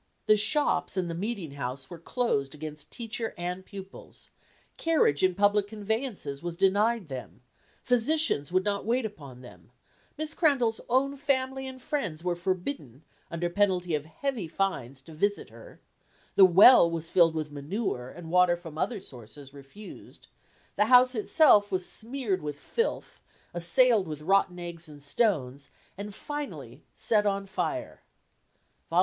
The shops and the meeting house were closed against teacher and pupils, carriage in the public conveyances was denied them, physicians would not wait upon them, Miss Crandall's own family and friends were forbidden, under penalty of heavy fines, to visit her, the well was filled with manure and water from other sources refused, the house itself was smeared with filth, assailed with rotten eggs and stones, and finally set on fire" (vol.